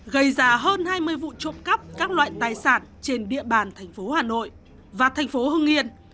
gây ra hơn hai mươi vụ trộm cắp các loại tài sản trên địa bàn thành phố hà nội và thành phố hưng yên